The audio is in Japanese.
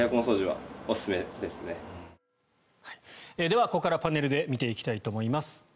では、ここからパネルで見ていきたいと思います。